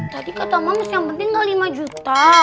tadi kata mams yang penting enggak lima juta